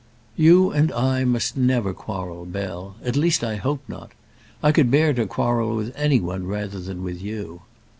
"You and I must never quarrel, Bell; at least, I hope not. I could bear to quarrel with any one rather than with you."